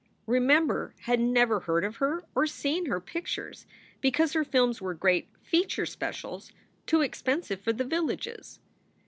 Remember had never heard of her or seen her pictures, be cause her films were great "feature specials," too expensive for the villages.